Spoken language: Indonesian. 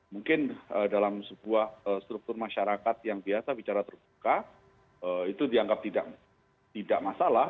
mungkin dalam sebuah struktur masyarakat yang biasa bicara terbuka itu dianggap tidak masalah